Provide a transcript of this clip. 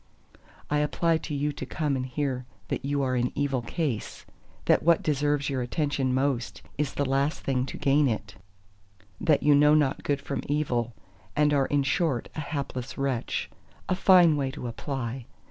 I apply to you to come and hear that you are in evil case; that what deserves your attention most is the last thing to gain it; that you know not good from evil, and are in short a hapless wretch; a fine way to apply!